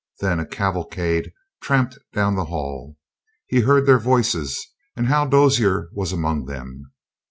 Then a cavalcade tramped down the hall. He heard their voices, and Hal Dozier was among them.